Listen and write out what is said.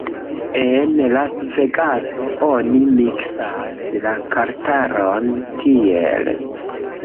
En Lasvegaso oni miksas la kartaron tiel